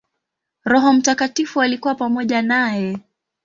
Roho Mtakatifu alikuwa pamoja naye.